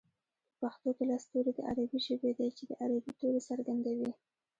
په پښتو کې لس توري د عربۍ ژبې دي چې د عربۍ توري څرګندوي